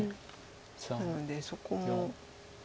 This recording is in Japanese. なのでそこも。